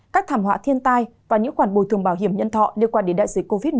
các thảm họa thiên tai và những khoản bồi thường bảo hiểm nhân thọ liên quan đến đại dịch covid một mươi